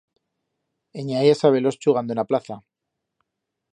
En i hai a-saber-los chugando en a plaza.